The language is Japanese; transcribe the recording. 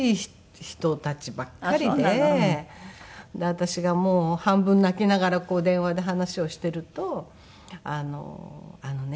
私がもう半分泣きながら電話で話をしていると「あのね」